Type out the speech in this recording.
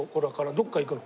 どっか行くの？